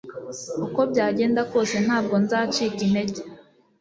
uko byagenda kose ntabwo nzacika intege